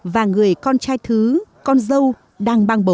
và người con trai thứ con dâu đang băng bẩu